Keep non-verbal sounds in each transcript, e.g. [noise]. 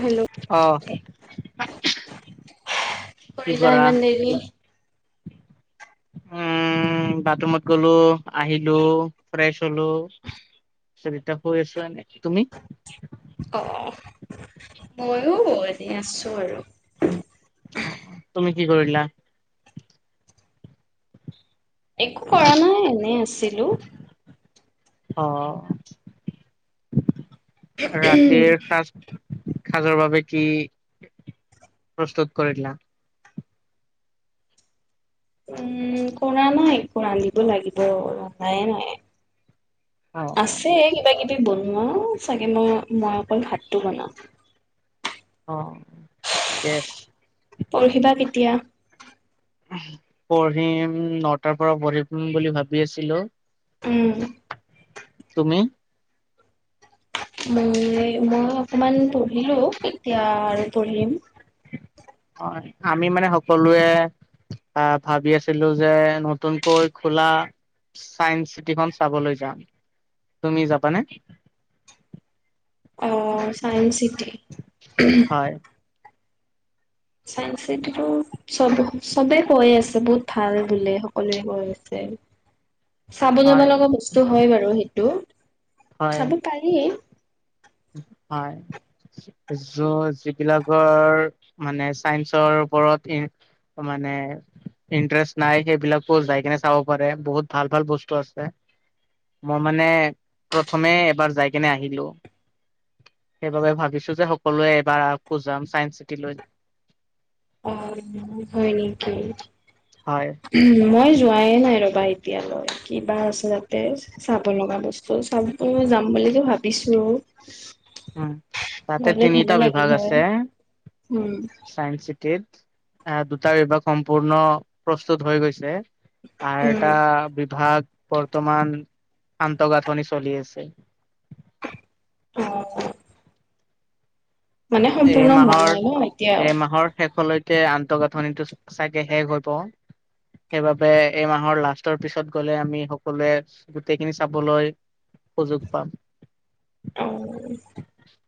Hello কি অ', কি কৰিলা কৰা? ইমান দেৰি। [inaudible] উম, বাথৰুমত গ'লো আহিলো ফ্ৰেছ হ'লো। এতিয় শুই আছিলা নে তুমি? অ' ময়ো এনেই আছো আৰু। অ' তুমি কি কৰিলা? একো কৰা নাই এনে আছিলো। অ' ৰাতিৰ সাজ খাজৰ বাবে কি প্ৰস্তুত কৰিলা? উম, কৰা নাই একো ৰান্ধিব লাগিব! ৰন্ধাই নাই। অ'। অ', আছে কিবা কিবি বনোৱা মই চাগে মই-মই অকণ ভাতটো বনাওঁ। অ' ঠিকে আছে। পঢ়িবা কেতিয়া? পঢ়িম, নটাৰ পৰা পঢ়িম বুলি ভাবি আছিলোঁ। উম। তুমি? মই-মই অকমান পঢ়িলোঁ এতিয়া আৰু পঢ়িম। অ' আমি মানে সকলোৱে আহ! ভাবি আছিলো যে নতুনকৈ খোলা চাইন্স চিটিখন চাবলৈ যাম! তুমি যাবানে? অ', চাইন্স চিটি? হয়, চাইন্স চিটি টো চব চবে কৈ আছে বহুত ভাল বোলে! সকলোৱে কৈ আছে। চাব যাব হয়, লগা বস্তু হয় বাৰু সেইটো, হয়, চাব পাৰি। হয়। য যিবিলাকৰ মানে চাইন্সৰ ওপৰত ইমান মানে ইন্টাৰেষ্ট নাই সেইবিলাকো যাই কেনে চাব পাৰে, বহুত ভাল ভাল বস্তু আছে। মই মানে, প্ৰথমে এবাৰ যাই কেনে আহিলো। সেইবাবে ভাবিছো যে সকলোৱে এবাৰ আকৌ যাম চাইন্স চিটি লৈ। অ' হয় নেকি হয় মই যোৱাই নাই ৰ'বা এতিয়ালৈ, কিবা আছে তাতে চাব লগা বস্তু চাব যাম বুলি বুলি ভাবিছোঁ। উম, তাতে তিনিটা বিভাগ হয় আছে উম চাইন্স চিটিত। এ দুটা বিভাগ সম্পূৰ্ণ প্ৰস্তুত হৈ গৈছে। আৰু উম এটা বিভাগ বৰ্তমান আন্তঃগাঁথনি চলি আছে। [unintelligible] মানে এই সম্পূৰ্ণ হোৱা মাহৰ, নাই ন এতিয়াও এই মাহৰ শেষলৈ তে আন্তঃগাঁথনিটো চাগে শেষ হব। সেইবাবে এই মাহৰ লাষ্টৰ পিছত গ'লে আমি সকলোৱে গোটেইখিনি চাবলৈ সুযোগ পাম। অ'।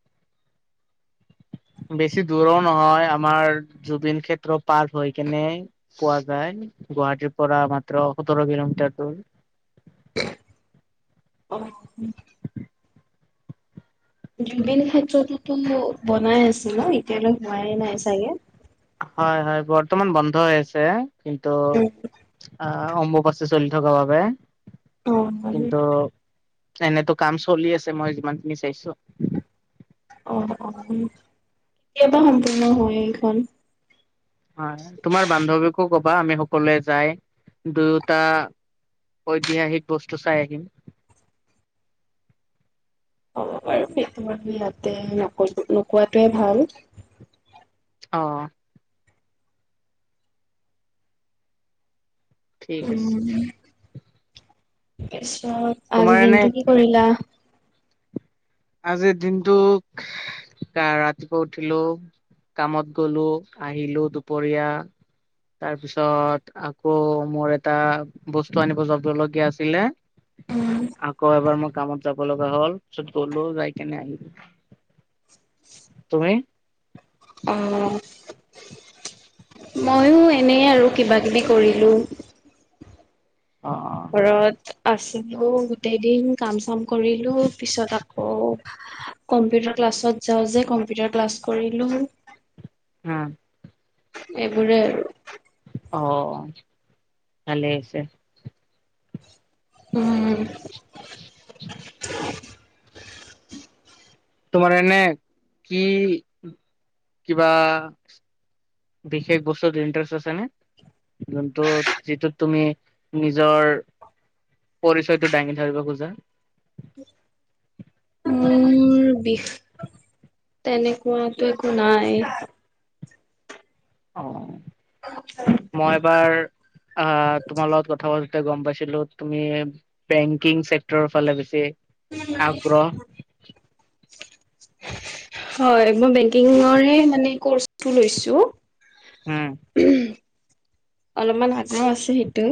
[inaudible] বেছি দূৰো নহয় আমাৰ জুবিন ক্ষেত্ৰৰ পৰ হৈ কেনে পোৱা যায়। গুৱাহাটীৰ পৰা মাত্ৰ সোতৰ কিলোমিটাৰ দূৰ। অহ '। [inaudible] জুবিন ক্ষেত্ৰতোতো বনাই আছিল ন? এতিয়ালৈকে হোৱাই নাই চাগে। হয় হয় বৰ্তমান বন্ধ হৈ আছে। কিন্তু উম আহ' অম্বুপাচী চলি থকাৰ বাবে অ কিন্তু এনেতো কাম চলি আছে মই যিমানখিনি চাইছো। অ, অ, কেতিয়াবা সম্পূৰ্ণ হয় এইখন। বা আমি সকলোৱে যায় দুয়োটা ঐতিহাসিক বস্তু চাই আহিম। হ'ব বাৰু সেইটো ইয়াতে ন নোকোৱাটোৱে ভাল অ'। ঠিক উম। আছে তাৰ পিছত তোমাৰ আজি এনে দিনটো কি কৰিলা? আজিৰ দিনটোক ৰাতিপুৱা উঠিলো। কামত গলো আহিলো দুপৰীয়া তাৰপিছত আকৌ মোৰ এটা বস্তু আনিব জব দলগীয়া আছিলে। আকৌ এবাৰ মই কামত যাব লগা হ'ল। চলো যায়ক ন আহ আহ এনে আৰু কিবা কিবি কৰিলো অ ঘৰত আছে গোটেই দিন কাম চাম কৰিলো পিছত আকৌ কম্পিউটাৰ ক্লাছত ত যাওঁ যে কম্পিউটাৰ ক্লাছ কৰিলো অ'। এইবোৰেই আৰু অ' ভালেই হৈছে উম তোমাৰ এনে কি কিবা বিশেষ বস্তুত ইণ্টাৰেষ্ট আছে নে যোনটো যিটোত তুমি নিজৰ। পৰিচয়টো দাঙি ধৰিব খোজা। তেনেকুৱাতটো একো নাই অ' মই এবাৰ আহ তোমাৰ লগত কথা প গম পাইছিলো তুমি বেংকিং চেক্টৰৰ ফালে বেছি আগ্ৰহ। [unintelligible] হয়। মই বেংকিংৰ হে মানে কোৰ্চ টো লৈছোঁ উম অলপমান আগ্ৰহ আছে সেইটো।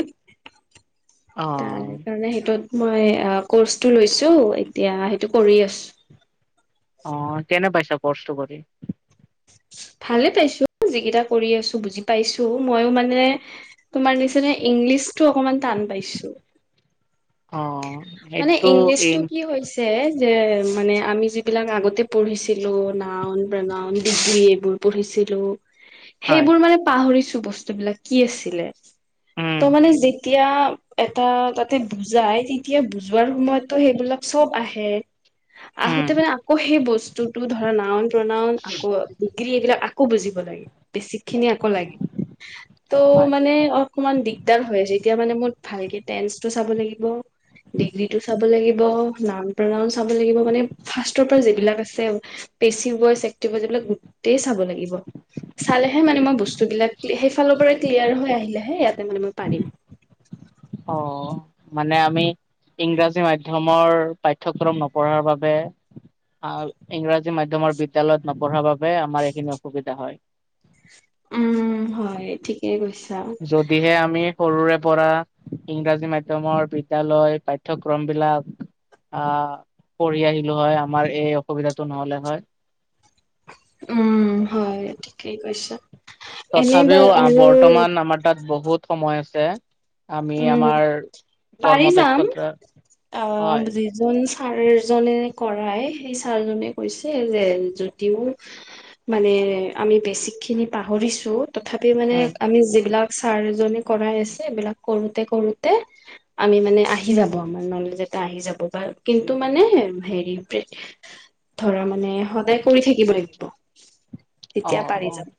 অ তাৰ কাৰণে সেইটোত মই কৰ্চটো লৈছো এতিয়া সেইটো কৰি আছো। অ' কেনে পাইছা পৰ্চটো কৰি? [unintelligible] ভালে পাইছো যিকেইটা কৰি আছো বুজি পাইছো। ময়ো মানে তোমাৰ নিচিনা ইংলিছ টো অকমান টান পাইছো। অ'। মানে সেইটো ইংলিছতটো ইন কি হৈছে যে মানে আমি যিবিলাক আগতে পঢ়িছিলো নওন, প্ৰণন, ডিগ্ৰী এইবোৰ পঢ়িছিলো হয় সেইবোৰ মানে পাহৰিছো বস্তুবলাক কি আছিলে। ত, উম মানে যে যেতিয়া এটা তাতে বুজাই তেতিয়া বুজোৱাৰ সময়তো সেইবিলাক চব আহে উম আহোতে মানে আকৌ সেই বস্তুতটো ধৰা নওন, প্ৰনাওন আকৌ এইবিলাক আকৌ বুজিব লাগে। বছিক খিনি আকৌ লাগে। ত' হয় মানে অকমান দিগদাৰ হৈ আছে এতিয়া মানে মোৰ ভালকে টেন্সটো চাব লাগিব ডিগ্ৰীটো চাব লাগিব। নাওন, প্ৰণয়ন চাব লাগিব। মানে ফাৰ্ষ্ষ্টৰ পৰা যিবিলাক আছে পেচিভ ভইচ, এক্টিভ ভইচ এইবিলাক গোটেই চাব লাগিব। চালেহে মানে মই বস্তুবিলাক সেইফালৰ পৰা ক্লিয়াৰ হৈ আহিলেহে ইয়াতে মানে মই পাৰিম। [inaudible] অ' মানে আমি ইংৰাজী মাধ্যয়মৰ পাঠ্যক্ৰম নপঢ়াৰ বাবে আহ ইংৰাজী মাধ্্যমৰ বিদ্য়ালয়ত নপঢ়াৰ বাবে আমাৰ এইখিনি অসুবিধা হয় উম হয় ঠিকেই কৈছে। যদিহে আমি। সৰুৰে পৰা ইংৰাজী মাধ্্যয়মৰ বিদ্য়ালয় পাঠ্যক্ৰম বিলাক। আহ পঢ়ি আহিলো হয় আমাৰ এই অসুবিধাতটো নহলে হয়। উম হয় ঠিকেই কৈছ। তথাপিও বৰ্তমান আমাৰ তাত বহুত সময় আছে আমি উম আমাৰ পাৰি কৰ্ম যাম দক্ষতা আহ হয়। যিজন ছাৰজনে কৰায় সেই ছাৰজনে কৈছে যে যদিও মানে আমি বেছিকখিনি পাহৰিছোঁ। তথাপি মানে উম আমি যিবিলাক ছাৰজনে কৰাই আছে এইবিলাক কৰোতে কৰোতে আমি মানে আহি যাব আমাৰ নলেজ এটা আহি যাব বা কিন্তু মানে হেৰি ধৰা মানে সদায় কৰি থাকিব লাগিব। অ তেতিয়া পাৰি যাম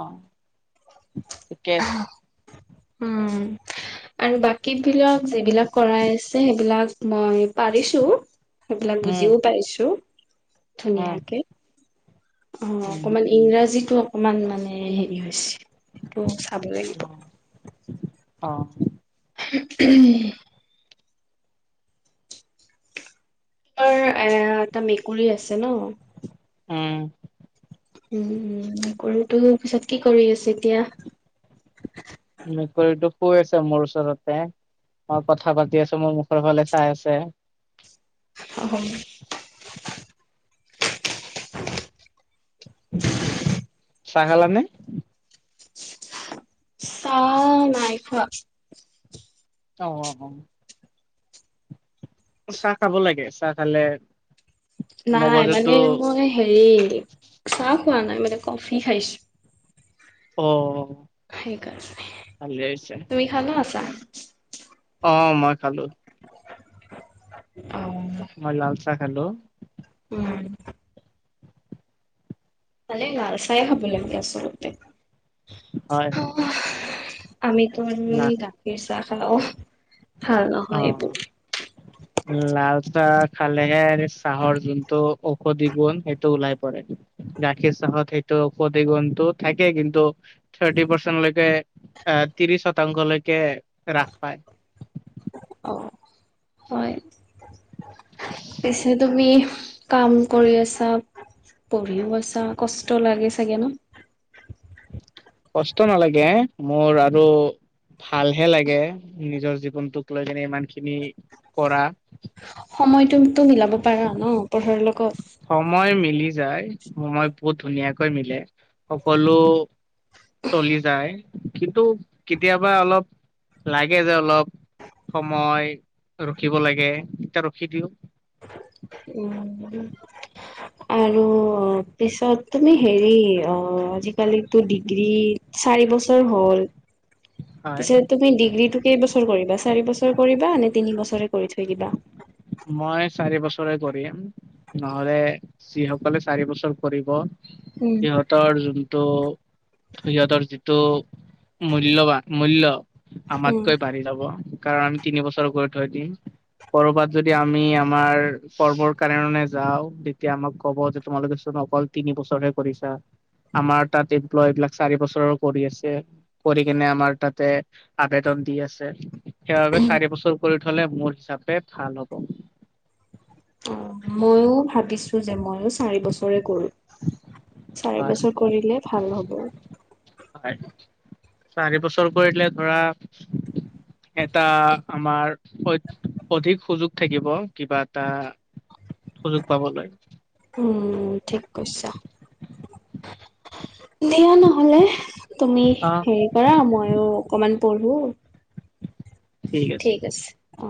অ' ঠিকে। উম আৰু বাকী বিলাক যিবিলাক কৰাই আছে সেইবিলাক মই, পাৰিছো সেইবিলাক উম বুজিও পাইছো উম ধুনীয়াকে, অ' উম অকমান ইংৰাজীতো অকমান মানে হেৰি হৈছে। ত চাব লাগিব অ' উম তমাৰ এ এটা মেকুৰী আছে ন' উম। উম কৰৰুটো পিছত কি কৰি আছে এতিয়া মে কৰিটো পুবেছ মোৰছাৰতে অ' কথা পাতি আছো মোৰ মুখৰ ফালে চাই আছে আহ চাগাল নাই, চ নাই খোৱা অ' অ' অ' চাহ খাব লাগে চাহ খালে নাই মানে মগজুতো মই হেৰি চাহ খোৱা নাই মানে কফি খাইছো। অ। সেইকাৰণে ভালে হৈছে তুমি খালা চাহ? অ মই খালো। অ মই লাল চাহ খলো। উম। [unintelligible] ভালে লাল চাহ খাৱ লাগে আচলতে হয়, হয়। আমিতো লা গাখীৰ চাহ খালোঁ ভাল নহয় এইবোৰ উম, লাল চাহ খালেহে চাহৰ যোনটো ঔষধি গুণ সেইটো ওলাই পৰে গাখীৰ চাহত সেইটো প্ৰতিগন্তু থাকে কিন্তু থাৰ্টি পাৰ্চেন্ট লকে আহ ত্ৰিশ শতাংশলৈকে ৰাখ পাই। অ হয়, পিছে তুমি কাম কৰি আছা, পঢ়িও আছা, কষ্ট লাগে চাগে ন। [unintelligible] কষ্ট নালাগে মোৰ আৰু। ভালহে লাগে নিজৰ জীৱনটোক লৈ কিনে ইমান খিনি কৰা। সময়টো তো মিলাব পাৰো ন। পঢ়াৰ লগত সময় মিলি। যায়ই বহুত ধুনীয়াকৈ মিলে সকলো। চলি যায় কিন্তু কেতিয়াবা অলপ লাগে যে অলপ। সময় ৰখিব লাগে এতিয়া ৰখি দিওঁ। উম। আৰু পিছত তুমি হেৰি অ আজিকালিতো ডিগ্ৰী চাৰি বছৰ হ'ল। হয়। পিছে তুমি ডিগ্ৰী টো কেইবছৰ কৰিবা চাৰি বছৰ কৰিবা নে তিন বছৰ? ওচ কৰি থৈ দিবা। মই চাৰি বছৰে কৰিম নহলে যিসকলে চাৰি বছৰ কৰিব। উম সিহঁতৰ যোনটো সিহঁতৰ যিটো মূল্য়বান। মূল্য উম আমাতকৈ বাঢ়ি যাব কাৰণ আমি তিন বছৰ গৈ থৈ দিম কৰবাত যদি আমি আমাৰ পৰ্বৰ কাৰনে যাওঁ তেতিয়া আমাক ক'ব যে তোমালোকেচোন অকল তিনি বোচৰহে কৰিছা। আমাৰ তাত এমপ্লয় এইবলাক চাৰি বছৰ কৰি আছে কৰি কিনে আমাৰ তাতে আবেদন। দি আছে সেইবাবে চাৰি বছৰ কৰি থলে মোৰ হিচাপে ভাল হ'ব। অ মইয়ো ভাবিছো যে মই। আৰু চাৰি বছৰে কৰো চাৰি হয় বছৰ কৰিলে ভাল হ'ব। হয় চাৰি বছৰ কৰি দলে ধৰা। এটা আমাৰ অ অধিক সুযোগ থাকিব কিবা এটা। সুযোগ পাব লাগে উম ঠিক কৈছা। দিয়া নহলে। তুমি অ হেৰি কৰা মইো অকমান পঢ়ো। ঠিক আছে অ।